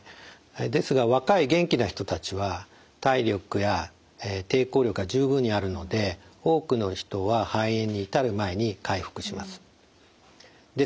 ですが若い元気な人たちは体力や抵抗力が十分にあるので多くの人は肺炎に至る前に回復します。